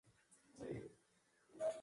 En Europa, ganó el premio al "Mejor Diseño".